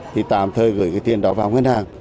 thì tạm thời gửi cái tiền đó vào ngân hàng